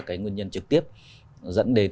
cái nguyên nhân trực tiếp nó dẫn đến